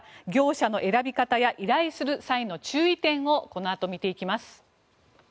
業者の選び方や依頼する際の注意点をこのあと、見ていきます。